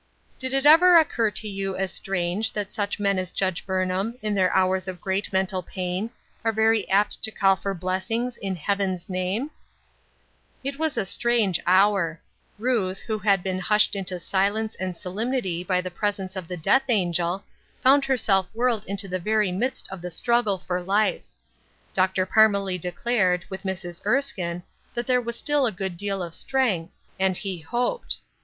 Did it ever occur to you as strange that such men as Judge Burnham, in their hours of great mental pain, are very apt to call for blessings in " heaven's name ?" It was a strange hour ! Ruth, who had been hushed into silence and solemnity by the pre* 430 Ruth Er shine' 8 Crosses, ence of the Death Angel, found herself whiiled into the very midst of the struggle for life. Dr. Parmelee declared, with Mrs. Erskine, that there was still a good deal of strength, and he hoped.